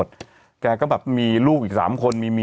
สวัสดีครับคุณผู้ชม